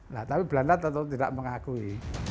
nah tapi belanda tentu tidak mengakui